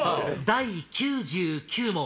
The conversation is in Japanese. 第９９問。